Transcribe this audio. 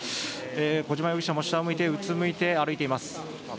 小島容疑者も下を向いてうつむいて歩いています。